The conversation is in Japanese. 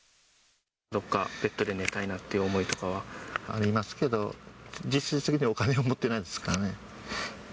どっかベッドで寝たいなといありますけど、実質的にお金を持ってないですからね。